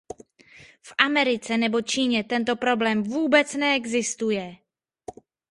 V Americe nebo Číně tento problém vůbec neexistuje.